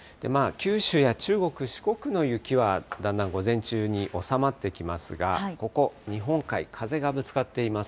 九州や中国、四国の雪はだんだん午前中に収まってきますが、ここ、日本海、風がぶつかっています。